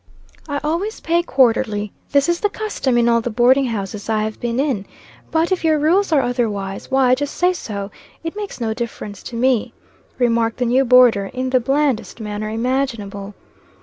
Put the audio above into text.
"I always pay quarterly. This is the custom in all the boarding houses I have been in. But if your rules are otherwise, why just say so. It makes no difference to me," remarked the new boarder, in the blandest manner imaginable.